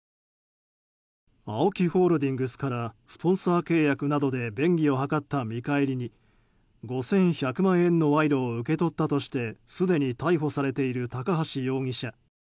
ＡＯＫＩホールディングスからスポンサー契約などで便宜を図った見返りに５１００万円の賄賂を受け取ったとして、すでに逮捕されている高橋容疑者。